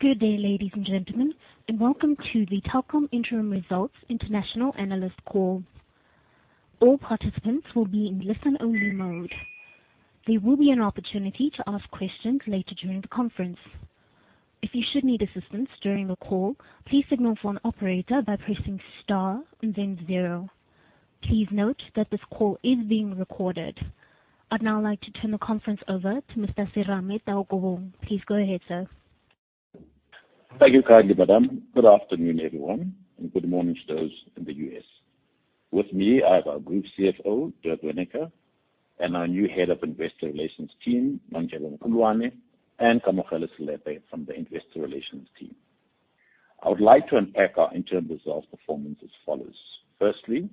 Good day, ladies and gentlemen, and welcome to the Telkom Interim Results International Analyst Call. All participants will be in listen-only mode. There will be an opportunity to ask questions later during the conference. If you should need assistance during the call, please signal for an operator by pressing star and then zero. Please note that this call is being recorded. I'd now like to turn the conference over to Mr. Serame Taukobong. Please go ahead, sir. Thank you kindly, madam. Good afternoon, everyone, and good morning to those in the U.S. With me, I have our Group CFO, Dirk Reyneke, and our new Head of Investor Relations, Nondyebo Mqulwana, and Kamohelo Selepe from the Investor Relations team. I would like to unpack our interim results performance as follows. Firstly,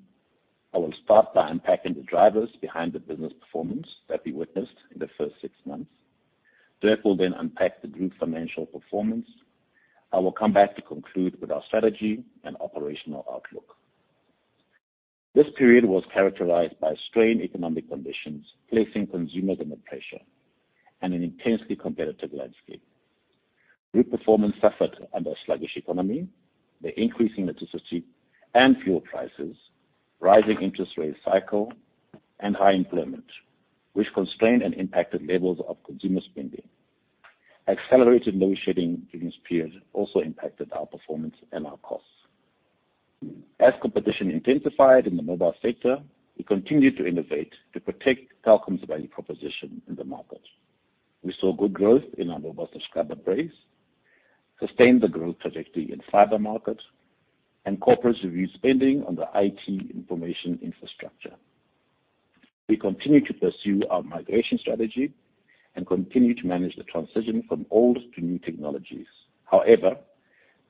I will start by unpacking the drivers behind the business performance that we witnessed in the first six months. Dirk will then unpack the group financial performance. I will come back to conclude with our strategy and operational outlook. This period was characterized by strained economic conditions, placing consumers under pressure and an intensely competitive landscape. Group performance suffered under a sluggish economy, the increasing electricity and fuel prices, rising interest rate cycle, and high employment, which constrained and impacted levels of consumer spending. Accelerated load shedding during this period also impacted our performance and our costs. As competition intensified in the mobile sector, we continued to innovate to protect Telkom's value proposition in the market. We saw good growth in our mobile subscriber base, sustained the growth trajectory in fiber market, and corporate reviewed spending on the IT information infrastructure. We continue to pursue our migration strategy and continue to manage the transition from old to new technologies.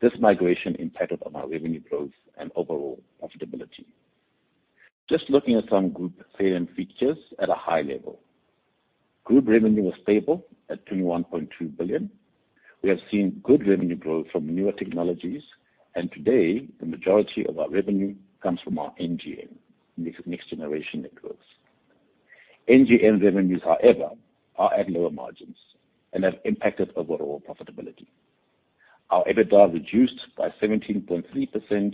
This migration impacted on our revenue growth and overall profitability. Just looking at some group salient features at a high level. Group revenue was stable at 21.2 billion. We have seen good revenue growth from newer technologies, and today, the majority of our revenue comes from our NGN, next generation networks. NGN revenues, however, are at lower margins and have impacted overall profitability. Our EBITDA reduced by 17.3%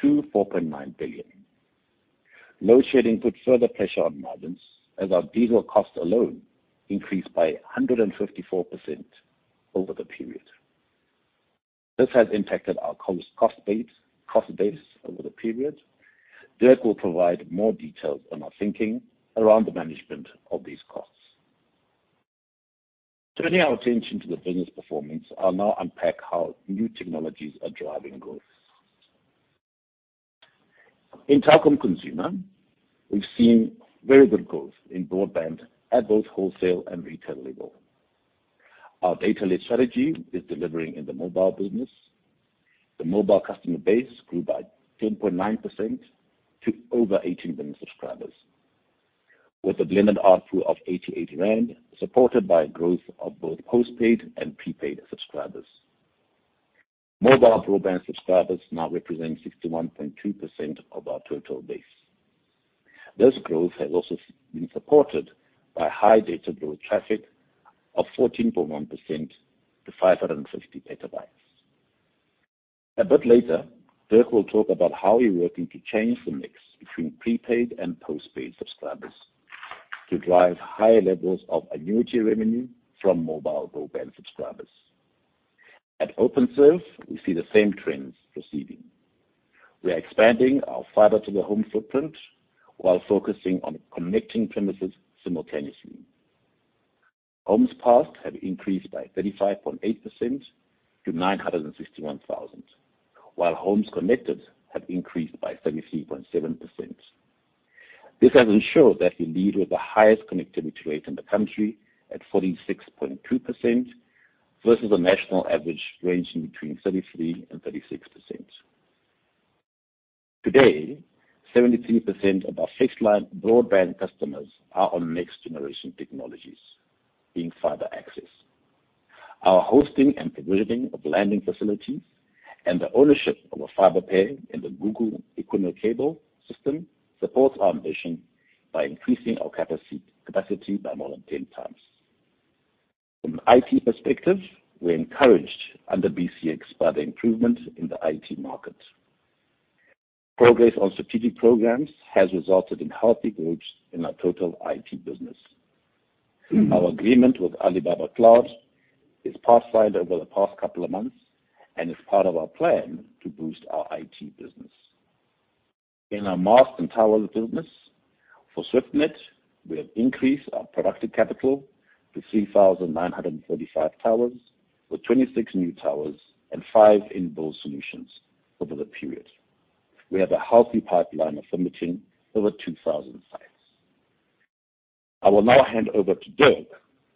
to 4.9 billion. Load shedding put further pressure on margins as our diesel cost alone increased by 154% over the period. This has impacted our cost base over the period. Dirk will provide more details on our thinking around the management of these costs. Turning our attention to the business performance, I'll now unpack how new technologies are driving growth. In Telkom Consumer, we've seen very good growth in broadband at both wholesale and retail level. Our data-led strategy is delivering in the mobile business. The mobile customer base grew by 10.9% to over 18 million subscribers with a blended ARPU of 88 rand, supported by growth of both postpaid and prepaid subscribers. Mobile broadband subscribers now represent 61.2% of our total base. This growth has also been supported by high data growth traffic of 14.1% to 550 petabytes. A bit later, Dirk will talk about how we're working to change the mix between prepaid and postpaid subscribers to drive higher levels of annuity revenue from mobile broadband subscribers. At Openserve, we see the same trends proceeding. We are expanding our Fiber to the home footprint while focusing on connecting premises simultaneously. Homes passed have increased by 35.8% to 961,000, while homes connected have increased by 33.7%. This has ensured that we lead with the highest connectivity rate in the country at 46.2% versus a national average ranging between 33% and 36%. Today, 73% of our fixed line broadband customers are on next-generation technologies in fiber access. Our hosting and provisioning of landing facilities and the ownership of a fiber pair in the Google Equiano cable system supports our ambition by increasing our capacity by more than 10 times. From an IT perspective, we're encouraged under BCX by the improvement in the IT market. Progress on strategic programs has resulted in healthy growth in our total IT business. Our agreement with Alibaba Cloud is pathfinder over the past couple of months and is part of our plan to boost our IT business. In our mast and towers business for Swiftnet, we have increased our productive capital to 3,935 towers, with 26 new towers and 5 in both solutions over the period. We have a healthy pipeline of permitting over 2,000 sites. I will now hand over to Dirk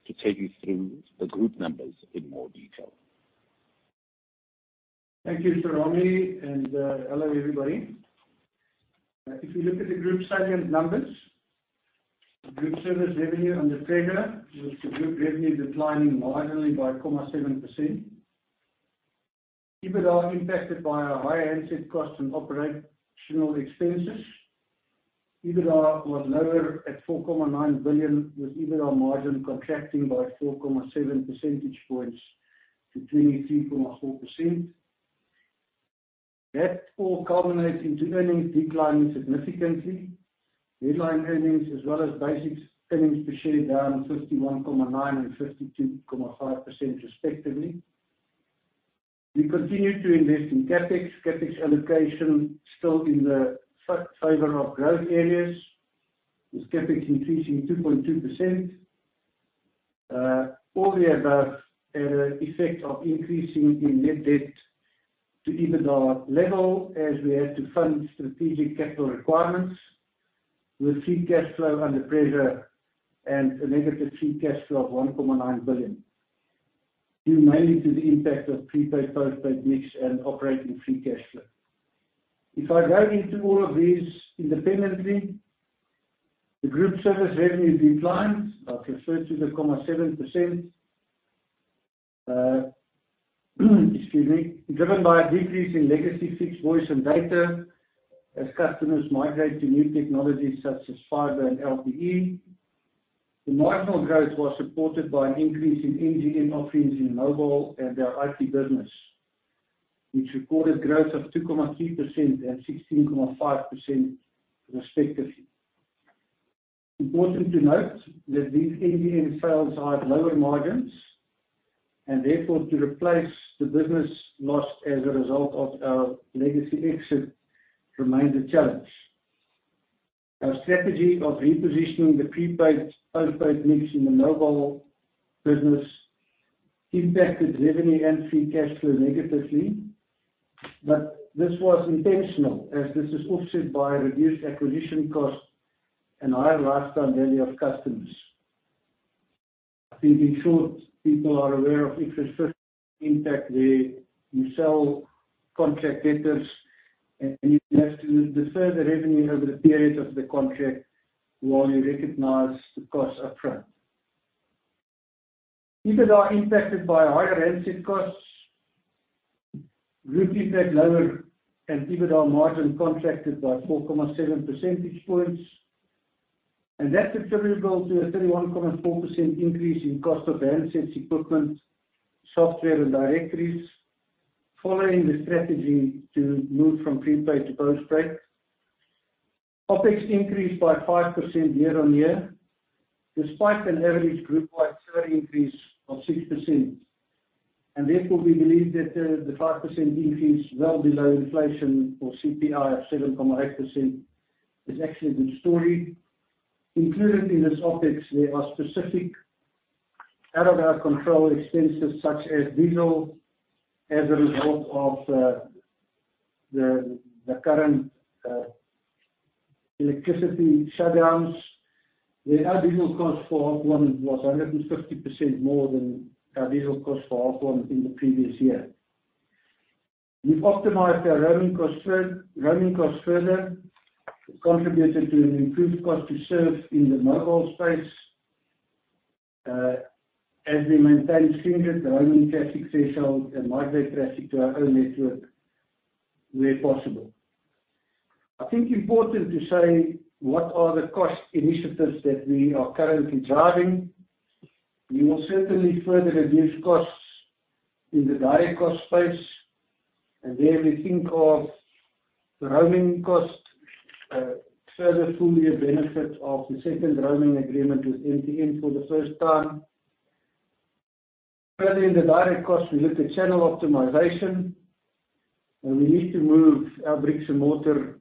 to take you through the group numbers in more detail. Thank you, Serame, and hello, everybody. If you look at the group salient numbers, the group service revenue under pressure with the group revenue declining marginally by 0.7%. EBITDA impacted by our high handset costs and operational expenses. EBITDA was lower at 4.9 billion, with EBITDA margin contracting by 4.7 percentage points to 23.4%. That all culminates into earnings declining significantly. Headline earnings as well as basic earnings per share down 51.9% and 52.5% respectively. We continue to invest in CapEx. CapEx allocation still in the favor of growth areas, with CapEx increasing 2.2%. All the above had an effect of increasing the net debt to EBITDA level as we had to fund strategic capital requirements with free cash flow under pressure and a negative free cash flow of 1.9 billion, due mainly to the impact of prepaid, postpaid mix and operating free cash flow. If I go into all of these independently, the Group service revenue declined, I've referred to the 0.7%. Excuse me. Driven by a decrease in legacy fixed voice and data as customers migrate to new technologies such as fiber and LTE. The marginal growth was supported by an increase in NGN offerings in mobile and our IT business, which recorded growth of 2.3% and 16.5% respectively. Important to note that these NGN sales have lower margins, and therefore, to replace the business lost as a result of our legacy exit remains a challenge. Our strategy of repositioning the prepaid, postpaid mix in the mobile business impacted revenue and free cash flow negatively. This was intentional, as this is offset by reduced acquisition costs and higher lifetime value of customers. I think, in short, people are aware of IFRS 15 impact where you sell contract debtors, and you have to defer the revenue over the period of the contract while you recognize the costs up front. EBITDA impacted by higher handset costs. Group EBITDA lower and EBITDA margin contracted by 4.7 percentage points. That's attributable to a 31.4% increase in cost of handsets, equipment, software and directories, following the strategy to move from prepaid to postpaid. OpEx increased by 5% year-on-year, despite an average group-wide salary increase of 6%. Therefore, we believe that the 5% increase well below inflation or CPI of 7.8% is actually a good story. Included in this OpEx, there are specific out of our control expenses such as diesel as a result of the current electricity shutdowns. The additional cost for half one was 150% more than our diesel cost for half one in the previous year. We've optimized our roaming costs further, which contributed to an improved cost to serve in the mobile space, as we maintain stringent roaming traffic thresholds and migrate traffic to our own network where possible. I think important to say what are the cost initiatives that we are currently driving. We will certainly further reduce costs in the direct cost space. We think of the roaming cost, further full year benefit of the second roaming agreement with MTN for the first time. We look at channel optimization, we need to move our bricks and mortar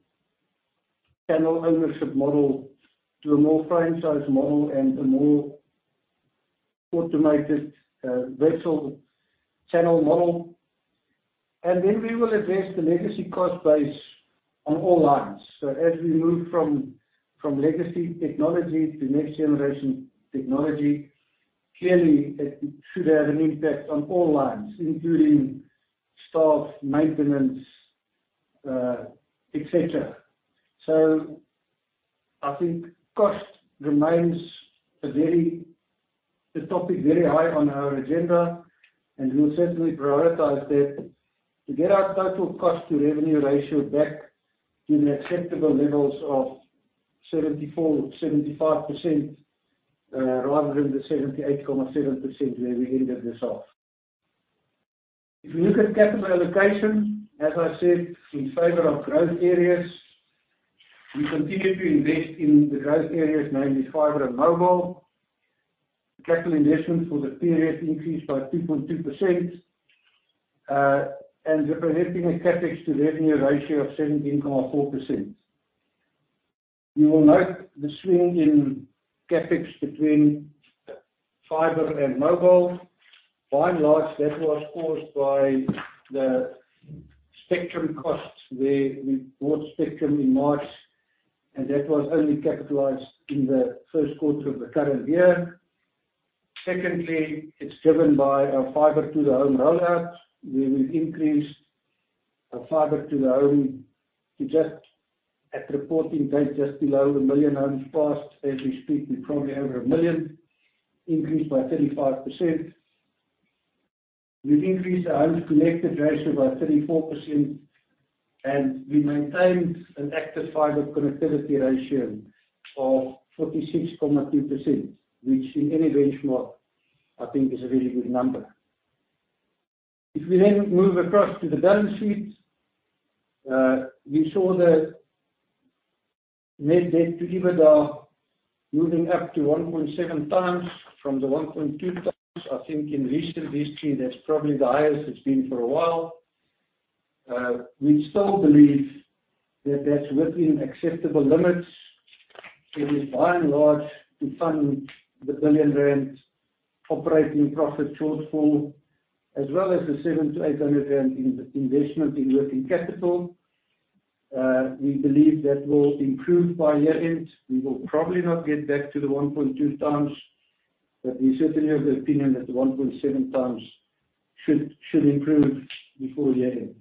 channel ownership model to a more franchise model and a more automated virtual channel model. We will address the legacy cost base on all lines. As we move from legacy technology to next generation technology, clearly it should have an impact on all lines, including staff, maintenance, et cetera. I think cost remains a topic very high on our agenda, we'll certainly prioritize that to get our total cost to revenue ratio back to the acceptable levels of 74%-75%, rather than the 78.7% where we ended this off. If you look at capital allocation, as I said, in favor of growth areas, we continue to invest in the growth areas, namely fiber and mobile. Capital investments for the period increased by 2.2%, and representing a CapEx to revenue ratio of 17.4%. You will note the swing in CapEx between fiber and mobile. By and large, that was caused by the spectrum costs, where we bought spectrum in March, and that was only capitalized in the first quarter of the current year. Secondly, it's driven by our fiber to the home rollout, where we've increased fiber to the home to just at reporting date, just below 1 million homes passed. As we speak, we're probably over 1 million, increased by 35%. We've increased the homes connected ratio by 34%, and we maintained an active fiber connectivity ratio of 46.2%, which in any benchmark, I think is a really good number. If we move across to the balance sheet, we saw the net debt to EBITDA moving up to 1.7x from the 1.2x. I think in recent history, that's probably the highest it's been for a while. We still believe that that's within acceptable limits. It is by and large to fund the 1 billion rand operating profit shortfall, as well as the 700-800 rand investment in working capital. We believe that will improve by year-end. We will probably not get back to the 1.2x, but we certainly have the opinion that the 1.7x should improve before year-end.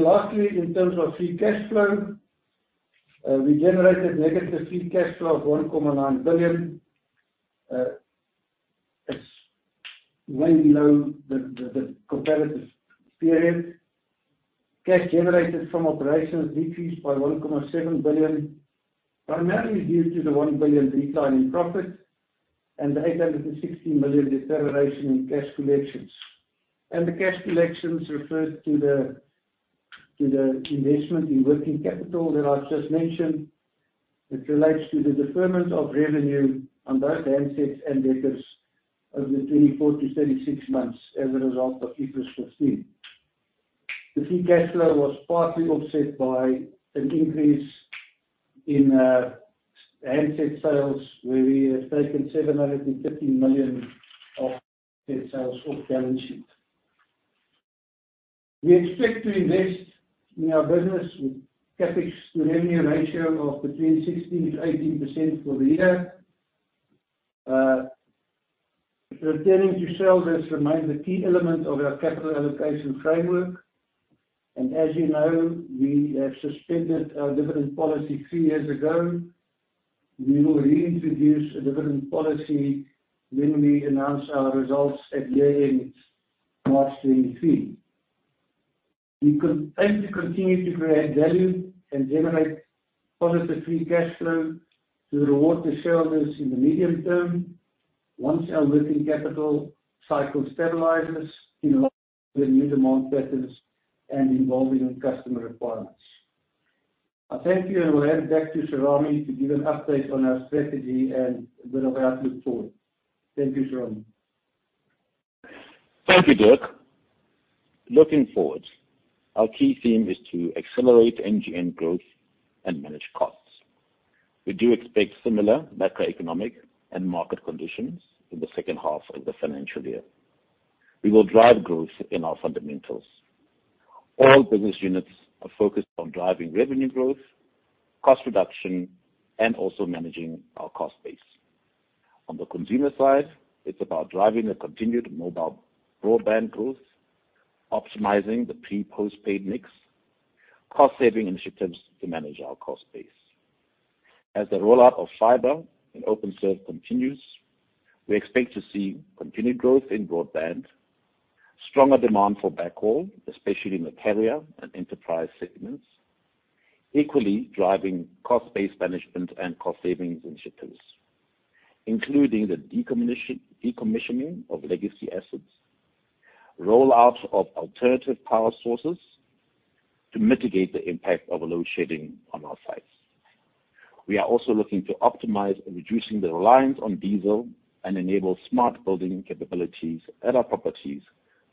Lastly, in terms of free cash flow, we generated negative free cash flow of 1.9 billion. It's way below the comparative period. Cash generated from operations decreased by 1.7 billion, primarily due to the 1 billion decline in profit and the 860 million deterioration in cash collections. The cash collections refers to the investment in working capital that I've just mentioned. It relates to the deferment of revenue on both handsets and vectors over 24-36 months as a result of IFRS 15. The free cash flow was partly offset by an increase in handset sales, where we have taken 750 million of handset sales off balance sheet. We expect to invest in our business with CapEx to revenue ratio of between 16%-18% for the year. Returning to shareholders remains a key element of our capital allocation framework. As you know, we have suspended our dividend policy three years ago. We will reintroduce a dividend policy when we announce our results at year-end, March 2023. We aim to continue to create value and generate positive free cash flow to reward the shareholders in the medium term once our working capital cycle stabilizes in line with the new demand patterns and evolving customer requirements. I thank you and will hand back to Serame to give an update on our strategy and a bit of our look forward. Thank you, Serame. Thank you, Dirk. Looking forward, our key theme is to accelerate NGN growth and manage costs. We do expect similar macroeconomic and market conditions in the second half of the financial year. We will drive growth in our fundamentals. All business units are focused on driving revenue growth, cost reduction, and also managing our cost base. On the consumer side, it's about driving a continued mobile broadband growth, optimizing the pre-postpaid mix, cost-saving initiatives to manage our cost base. As the rollout of fiber and Openserve continues, we expect to see continued growth in broadband, stronger demand for backhaul, especially in the carrier and enterprise segments, equally driving cost-based management and cost savings initiatives, including the decommissioning of legacy assets, rollout of alternative power sources to mitigate the impact of load shedding on our sites. We are also looking to optimize in reducing the reliance on diesel and enable smart building capabilities at our properties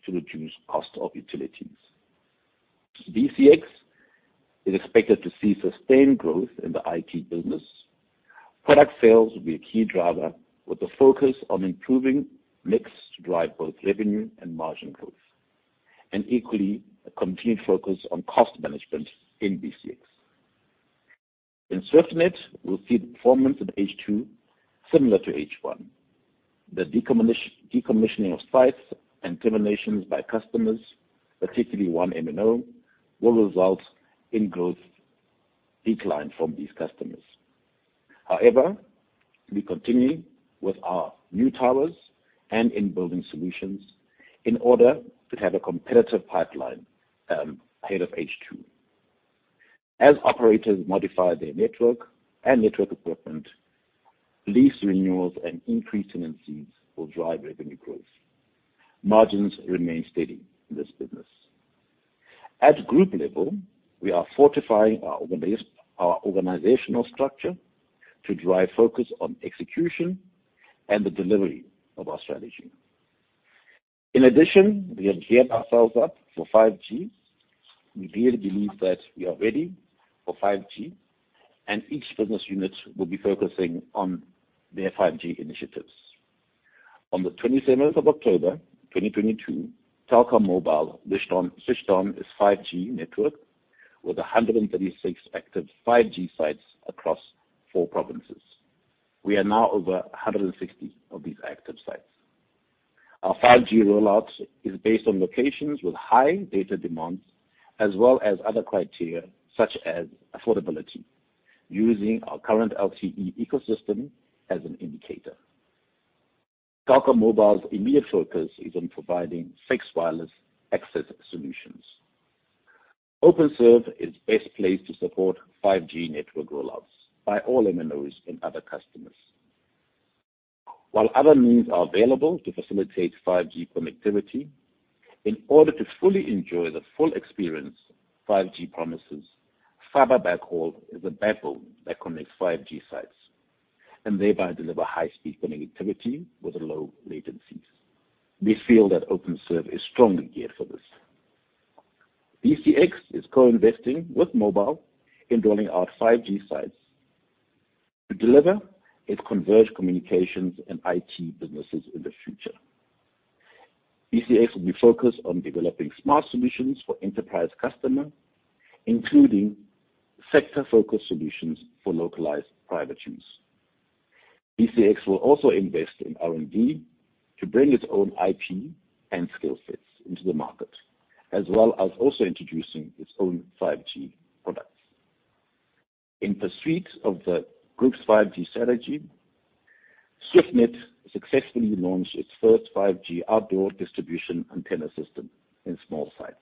to reduce cost of utilities. BCX is expected to see sustained growth in the IT business. Product sales will be a key driver, with a focus on improving mix to drive both revenue and margin growth, and equally, a continued focus on cost management in BCX. In Swiftnet, we'll see the performance in H2 similar to H1. The decommissioning of sites and terminations by customers, particularly one MNO, will result in growth decline from these customers. We continue with our new towers and in-building solutions in order to have a competitive pipeline ahead of H2. As operators modify their network and network equipment, lease renewals and increased tenancies will drive revenue growth. Margins remain steady in this business. At group level, we are fortifying our organizational structure to drive focus on execution and the delivery of our strategy. We have geared ourselves up for 5G. We really believe that we are ready for 5G, and each business unit will be focusing on their 5G initiatives. On the 27th of October 2022, Telkom Mobile switched on its 5G network with 136 active 5G sites across four provinces. We are now over 160 of these active sites. Our 5G rollout is based on locations with high data demands as well as other criteria such as affordability, using our current LTE ecosystem as an indicator. Telkom Mobile's immediate focus is on providing fixed wireless access solutions. Openserve is best placed to support 5G network rollouts by all MNOs and other customers. While other means are available to facilitate 5G connectivity, in order to fully enjoy the full experience 5G promises, fiber backhaul is the backbone that connects 5G sites and thereby deliver high-speed connectivity with low latencies. We feel that Openserve is strongly geared for this. BCX is co-investing with Mobile in rolling out 5G sites to deliver its converged communications and IT businesses in the future. BCX will be focused on developing smart solutions for enterprise customer, including sector-focused solutions for localized private use. BCX will also invest in R&D to bring its own IP and skill sets into the market, as well as also introducing its own 5G products. In pursuit of the group's 5G strategy, Swiftnet successfully launched its first 5G outdoor distribution antenna system in small sites.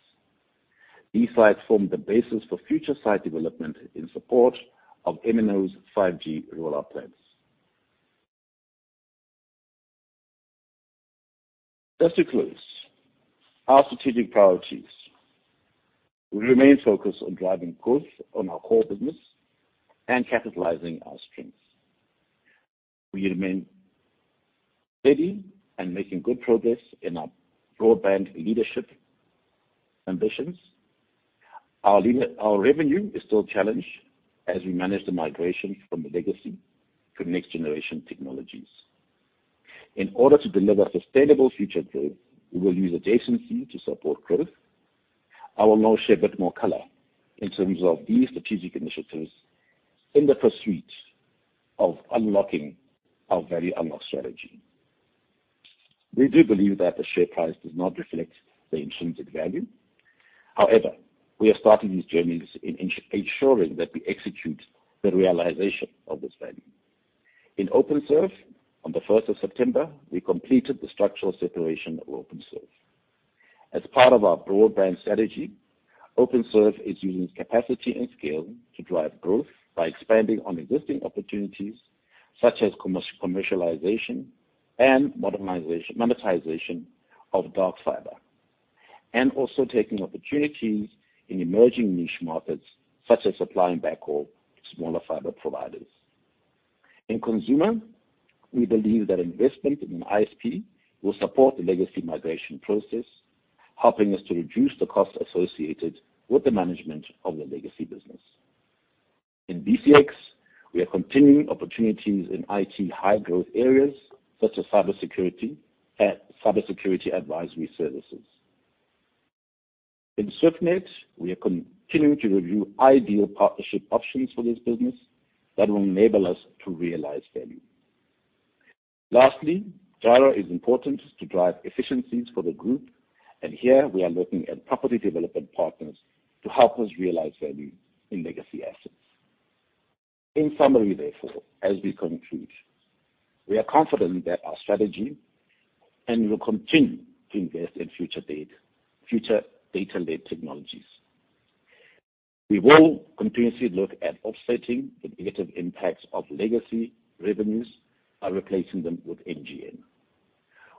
These sites form the basis for future site development in support of MNO's 5G rollout plans. Just to close, our strategic priorities. We remain focused on driving growth on our core business and capitalizing our strengths. We remain steady and making good progress in our broadband leadership ambitions. Our revenue is still challenged as we manage the migration from the legacy to next-generation technologies. In order to deliver sustainable future growth, we will use adjacency to support growth. I will now share a bit more color in terms of these strategic initiatives in the pursuit of unlocking our Value Unlock strategy. We do believe that the share price does not reflect the intrinsic value. However, we are starting these journeys in ensuring that we execute the realization of this value. In Openserve, on the first of September, we completed the structural separation of Openserve. As part of our broadband strategy, Openserve is using capacity and scale to drive growth by expanding on existing opportunities such as commercialization and monetization of dark fiber, and also taking opportunities in emerging niche markets such as supplying backhaul to smaller fiber providers. In consumer, we believe that investment in an ISP will support the legacy migration process, helping us to reduce the costs associated with the management of the legacy business. In BCX, we are continuing opportunities in IT high-growth areas such as cybersecurity advisory services. In Swiftnet, we are continuing to review ideal partnership options for this business that will enable us to realize value. Lastly, Gyro is important to drive efficiencies for the group, and here we are looking at property development partners to help us realize value in legacy assets. In summary, therefore, as we conclude, we are confident that our strategy and we will continue to invest in future data-led technologies. We will continuously look at offsetting the negative impacts of legacy revenues by replacing them with NGN.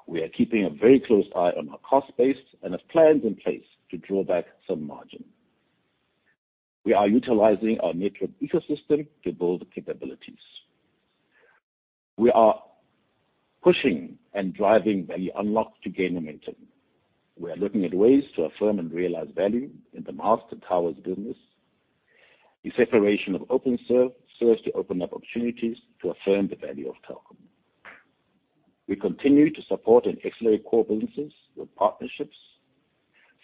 We are keeping a very close eye on our cost base and have plans in place to draw back some margin. We are utilizing our network ecosystem to build capabilities. We are pushing and driving Value Unlock to gain momentum. We are looking at ways to affirm and realize value in the masts and towers business. The separation of Openserve serves to open up opportunities to affirm the value of Telkom. We continue to support and accelerate core businesses with partnerships.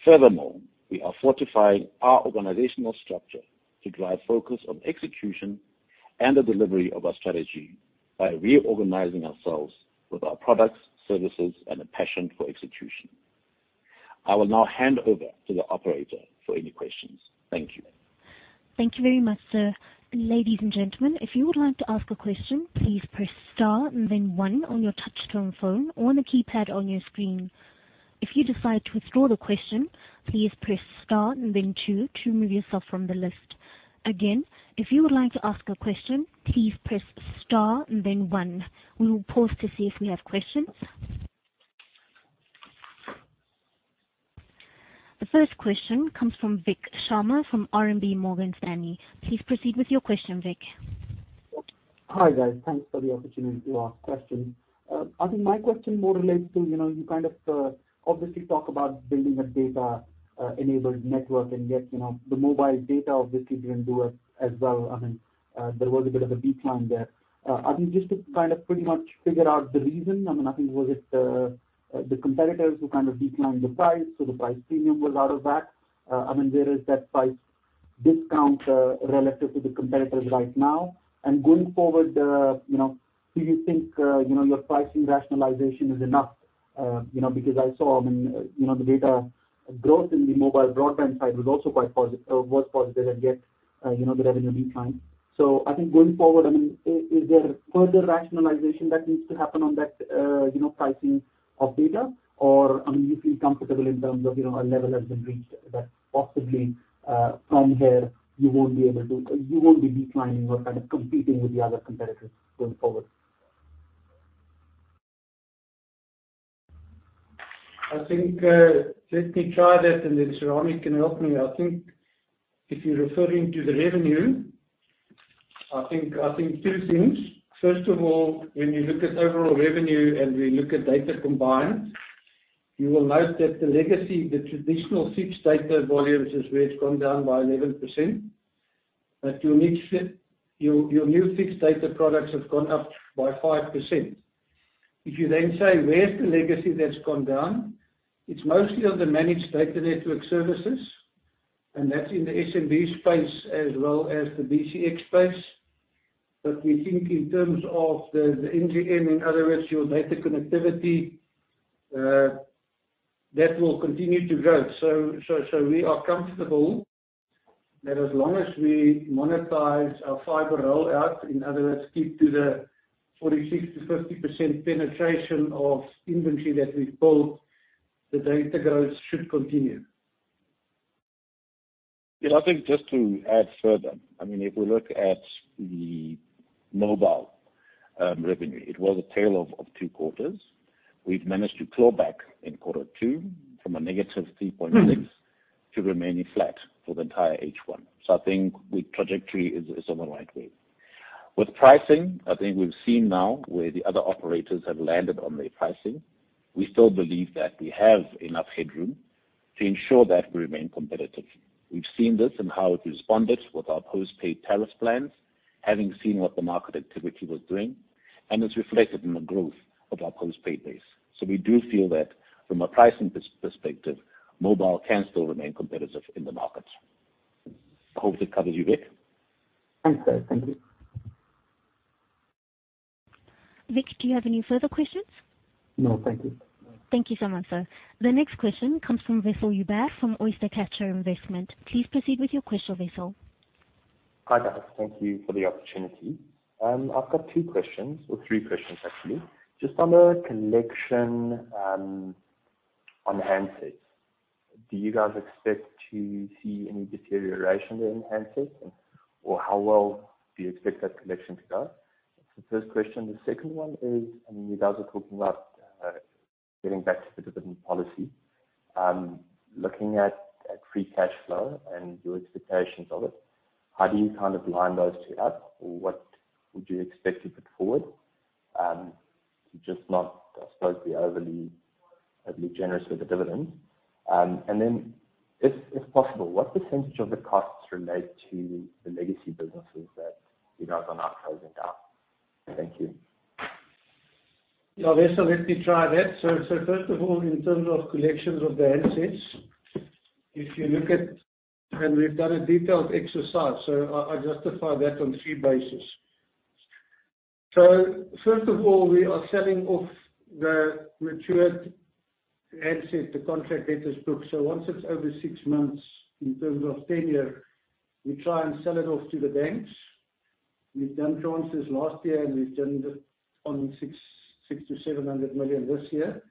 Furthermore, we are fortifying our organizational structure to drive focus on execution and the delivery of our strategy by reorganizing ourselves with our products, services, and a passion for execution. I will now hand over to the operator for any questions. Thank you. Thank you very much, sir. Ladies and gentlemen, if you would like to ask a question, please press star and then one on your touchtone phone or on the keypad on your screen. If you decide to withdraw the question, please press star and then two to remove yourself from the list. Again, if you would like to ask a question, please press star and then one. We will pause to see if we have questions. The first question comes from Vikhyat Sharma from RMB Morgan Stanley. Please proceed with your question, Vik. Hi, guys. Thanks for the opportunity to ask questions. I think my question more relates to, you know, you kind of, obviously talk about building a data enabled network, and yet, you know, the mobile data obviously didn't do it as well. There was a bit of a decline there. I mean, just to kind of pretty much figure out the reason. I think was it the competitors who kind of declined the price, so the price premium was out of that? Where is that price discount relative to the competitors right now? Going forward, do you think, you know, your pricing rationalization is enough? Because I saw the data growth in the mobile broadband side was also quite. Was positive and yet, you know, the revenue declined. I think going forward, is there further rationalization that needs to happen on that pricing of data? I mean, do you feel comfortable in terms of, you know, a level has been reached that possibly, from here you won't be declining or kind of competing with the other competitors going forward? Let me try that, and then Serame can help me. I think if you're referring to the revenue, I think two things. First of all, when you look at overall revenue and we look at data combined, you will note that the legacy, the traditional fixed data volumes is where it's gone down by 11%. Your new fixed data products have gone up by 5%. If you then say: Where's the legacy that's gone down? It's mostly on the managed data network services, and that's in the SMB space as well as the BCX space. We think in terms of the MGM, in other words, your data connectivity, that will continue to grow. We are comfortable that as long as we monetize our fiber rollout, in other words, keep to the 46%-50% penetration of inventory that we've built, the data growth should continue. I think just to add further, I mean, if we look at the mobile revenue, it was a tale of two quarters. We've managed to claw back in quarter two from a negative 3.6% to remaining flat for the entire H1. I think the trajectory is on the right way. With pricing, I think we've seen now where the other operators have landed on their pricing. We still believe that we have enough headroom to ensure that we remain competitive. We've seen this and how it responded with our post-paid tariff plans, having seen what the market activity was doing, and it's reflected in the growth of our post-paid base. We do feel that from a pricing perspective, mobile can still remain competitive in the market. I hope that covers you, Vik. Thanks, sir. Thank you. Vik, do you have any further questions? No, thank you. Thank you so much, sir. The next question comes from Wessel Joubert from Oystercatcher Investments. Please proceed with your question, Wessel. Hi, guys. Thank you for the opportunity. I've got two questions or three questions actually. Just on the collection, on handsets. Do you guys expect to see any deterioration in handsets and or how well do you expect that collection to go? That's the first question. The second one is you guys are talking about getting back to the dividend policy. Looking at free cash flow and your expectations of it, how do you kind of line those two up? Or what would you expect to put forward to just not be overly generous with the dividend? If, if possible, what % of the costs relate to the legacy businesses that you guys are now closing down? Thank you. Yeah, Wessel, let me try that. First of all, in terms of collections of the handsets, if you look at... We've done a detailed exercise, I justify that on three bases. First of all, we are selling off the matured handset, the contract debtors book. Once it's over six months in terms of tenure, we try and sell it off to the banks. We've done tranches last year, we've done on 600 million-700 million this year.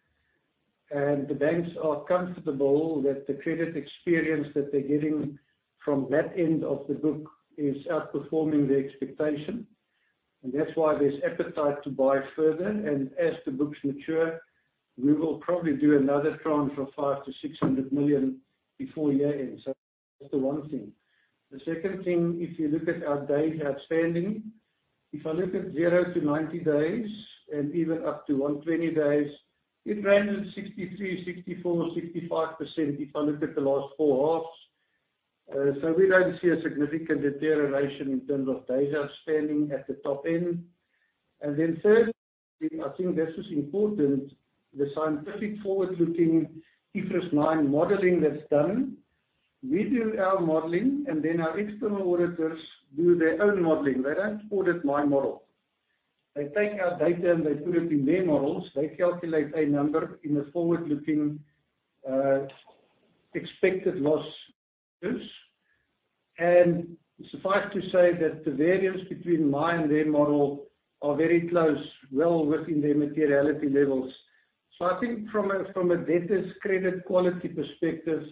The banks are comfortable that the credit experience that they're getting from that end of the book is outperforming their expectation. That's why there's appetite to buy further. As the books mature, we will probably do another tranche of 500 million-600 million before year-end. That's the one thing. The second thing, if you look at our data outstanding, if I look at zero to 90 days and even up to 120 days, it ranges 63%, 64%, 65% if I look at the last four halves. We don't see a significant deterioration in terms of data outstanding at the top end. Third, I think this is important, the scientific forward-looking IFRS 9 modeling that's done. We do our modeling, our external auditors do their own modeling. They don't audit my model. They take our data, they put it in their models. They calculate a number in a forward-looking, expected loss. Suffice to say that the variance between my and their model are very close, well within their materiality levels. I think from a debtors credit quality perspective,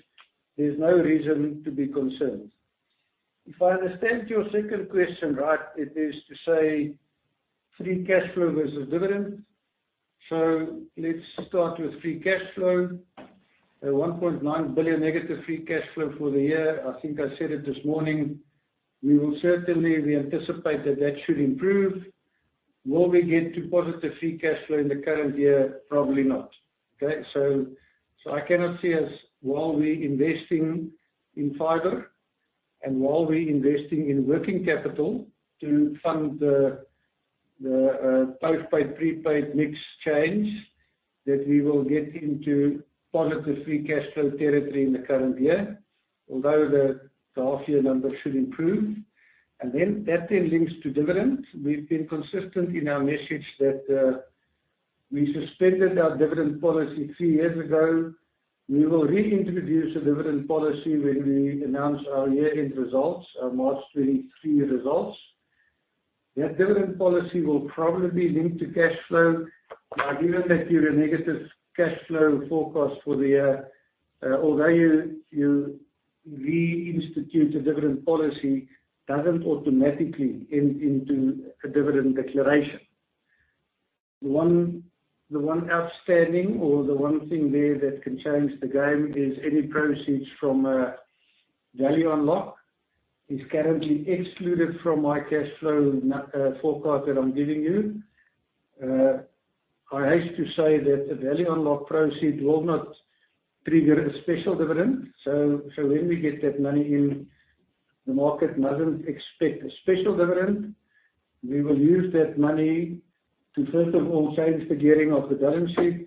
there's no reason to be concerned. If I understand your second question right, it is to say free cash flow versus dividend. Let's start with free cash flow. A 1.9 billion negative free cash flow for the year. I think I said it this morning. We will certainly, we anticipate that that should improve. Will we get to positive free cash flow in the current year? Probably not. Okay? I cannot see us while we're investing in fiber and while we're investing in working capital to fund the post-paid, prepaid mix change that we will get into positive free cash flow territory in the current year, although the half year numbers should improve. That then links to dividends. We've been consistent in our message that we suspended our dividend policy three years ago. We will reintroduce a dividend policy when we announce our year-end results, our March 2023 results. Given that you're a negative cash flow forecast for the year, although you reinstitute a dividend policy, doesn't automatically end into a dividend declaration. The one outstanding or the one thing there that can change the game is any proceeds from Value Unlock. Is currently excluded from my cash flow forecast that I'm giving you. I hate to say that a Value Unlock proceed will not trigger a special dividend. When we get that money in, the market doesn't expect a special dividend. We will use that money to, first of all, change the gearing of the balance sheet.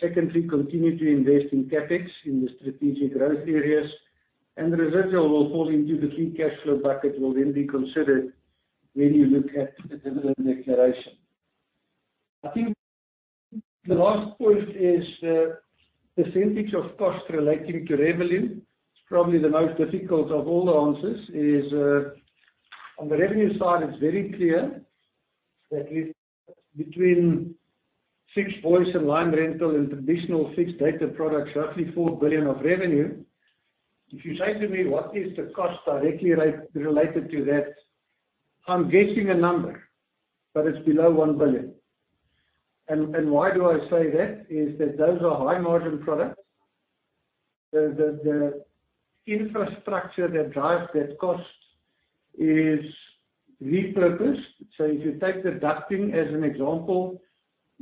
Secondly, continue to invest in CapEx in the strategic growth areas, and the residual will fall into the free cash flow bucket, will then be considered when you look at the dividend declaration. I think the last point is the percentage of cost relating to revenue. It's probably the most difficult of all the answers is on the revenue side, it's very clear that we've between fixed voice and line rental and traditional fixed data products, roughly 4 billion of revenue. If you say to me, what is the cost directly related to that? I'm guessing a number, but it's below 1 billion. Why do I say that? Is that those are high margin products. The infrastructure that drives that cost is repurposed. If you take the ducting as an example,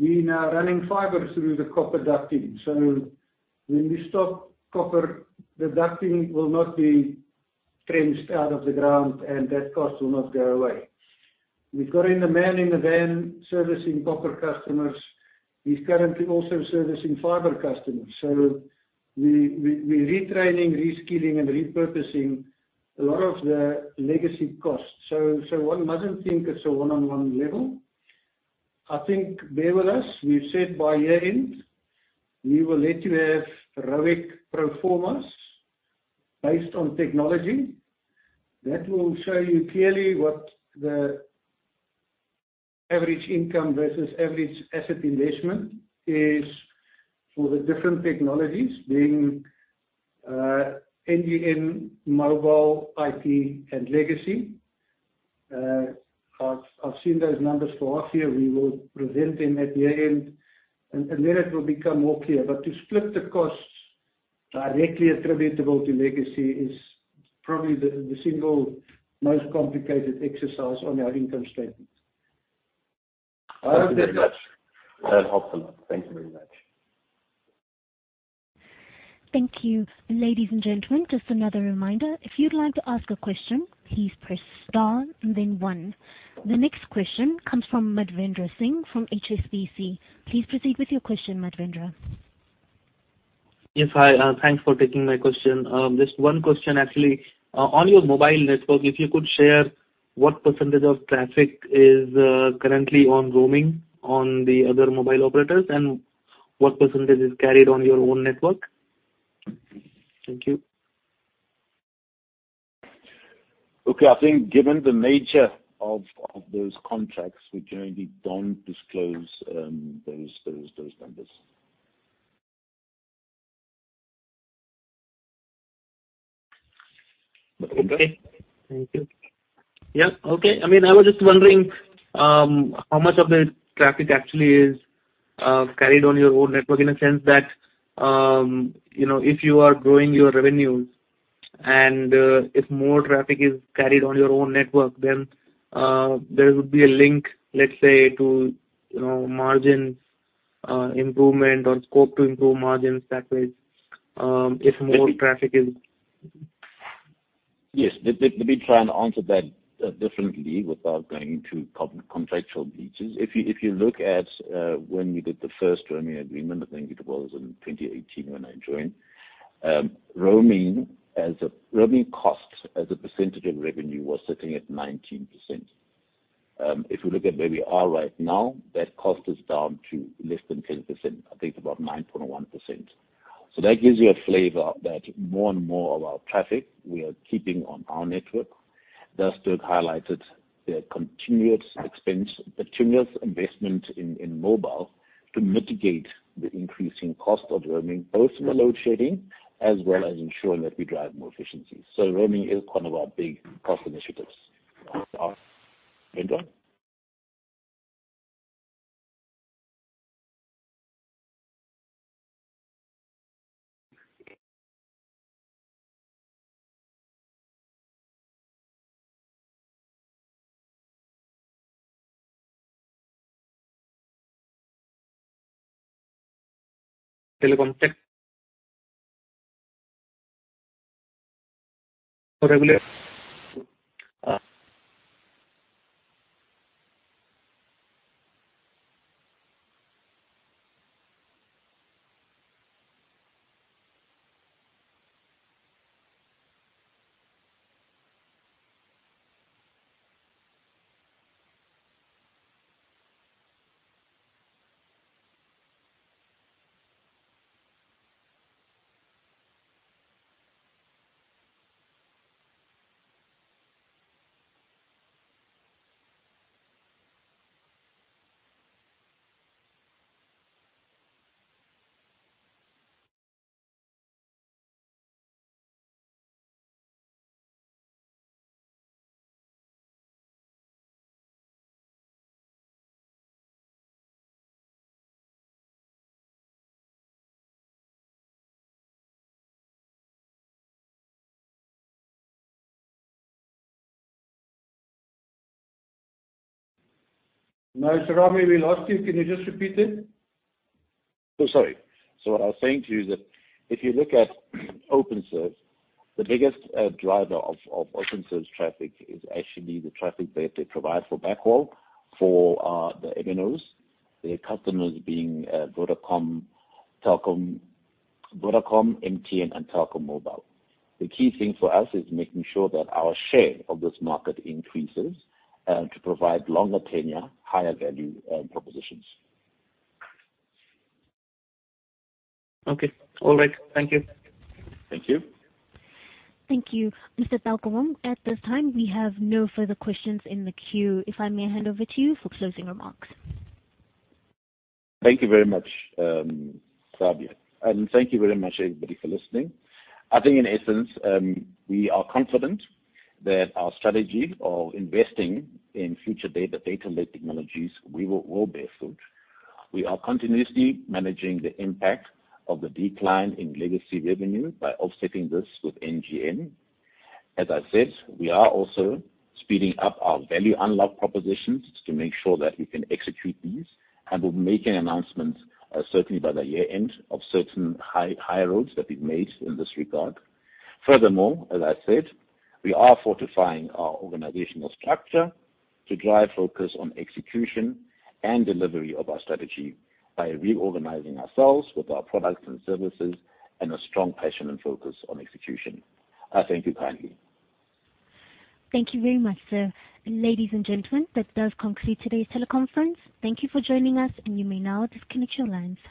we are now running fiber through the copper ducting. When we stop copper, the ducting will not be trenched out of the ground, and that cost will not go away. We've got in the man in the van servicing copper customers. He's currently also servicing fiber customers. We retraining, reskilling, and repurposing a lot of the legacy costs. One mustn't think it's a one-on-one level. I think bear with us, we've said by year-end, we will let you have ROIC pro formas based on technology. That will show you clearly what the average income versus average asset investment is for the different technologies, being NGN, mobile, IT, and legacy. I've seen those numbers for half-year. We will present them at year-end, and then it will become more clear. To split the costs directly attributable to legacy is probably the single most complicated exercise on our income statement. Thank you very much. That helps a lot. Thank you very much. Thank you. Ladies and gentlemen, just another reminder. If you'd like to ask a question, please press star and then one. The next question comes from Madhvendra Singh from HSBC. Please proceed with your question, Madhvendra. Yes. Hi, thanks for taking my question. Just one question actually. On your mobile network, if you could share what percentage of traffic is currently on roaming on the other mobile operators, and what percentage is carried on your own network? Thank you. Okay. I think given the nature of those contracts, we generally don't disclose those numbers. Okay. Thank you. Okay. I was just wondering, how much of the traffic actually is carried on your own network in a sense that, you know, if you are growing your revenues and if more traffic is carried on your own network, then there would be a link, let's say to, you margin improvement or scope to improve margins that way, if more traffic is... Yes. Let me try and answer that differently without going into contractual details. If you look at when we did the first roaming agreement, I think it was in 2018 when I joined. Roaming costs as a percentage of revenue was sitting at 19%. If we look at where we are right now, that cost is down to less than 10%. I think it's about 9.1%. That gives you a flavor that more and more of our traffic we are keeping on our network. Dirk Reyneke highlighted the continued expense, continuous investment in mobile to mitigate the increasing cost of roaming, both from the load shedding as well as ensuring that we drive more efficiencies. Roaming is one of our big cost initiatives. Okay. Madhvendra? Telecom tech. For regular... No, Serame, we lost you. Can you just repeat it? Sorry. What I was saying to you is that if you look at Openserve, the biggest driver of Openserve's traffic is actually the traffic that they provide for backhaul for the MNOs, their customers being Vodacom, Telkom, Vodacom, MTN, and Telkom Mobile. The key thing for us is making sure that our share of this market increases to provide longer tenure, higher value propositions. Okay. All right. Thank you. Thank you. Thank you, Mr. Taukobong. At this time, we have no further questions in the queue. If I may hand over to you for closing remarks. Thank you very much, Rabia, and thank you very much everybody for listening. I think in essence, we are confident that our strategy of investing in future data-led technologies, we will bear fruit. We are continuously managing the impact of the decline in legacy revenue by offsetting this with NGN. As I said, we are also speeding up our Value Unlock propositions to make sure that we can execute these and we'll make an announcement certainly by the year-end of certain high roads that we've made in this regard. Furthermore, as I said, we are fortifying our organizational structure to drive focus on execution and delivery of our strategy by reorganizing ourselves with our products and services and a strong passion and focus on execution. I thank you kindly. Thank you very much, sir. Ladies and gentlemen, that does conclude today's teleconference. Thank you for joining us, and you may now disconnect your lines.